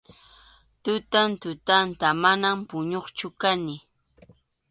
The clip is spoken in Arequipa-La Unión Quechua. Tutan tutanta, mana puñuqchu kani.